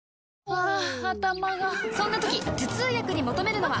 ハァ頭がそんな時頭痛薬に求めるのは？